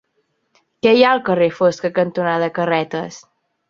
Què hi ha al carrer Fosca cantonada Carretes?